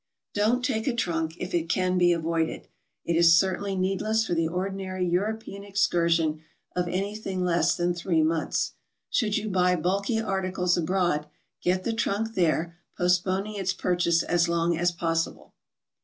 Don't take a trunk if it can be avoided. It is certainly needless for the ordinary European excursion of anything less than three months. Should you buy bulky articles abroad, get the trunk there, postponing its purchase as long as possible.